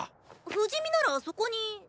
不死身ならそこに。